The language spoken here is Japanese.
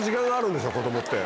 子供って。